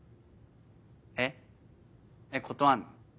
えっ断んの？